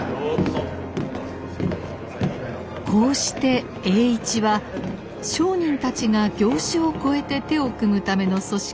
こうして栄一は商人たちが業種を超えて手を組むための組織